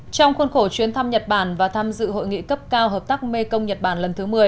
trong khuôn khổ chuyến thăm nhật bản và tham dự hội nghị cấp cao hợp tác mê công nhật bản lần thứ một mươi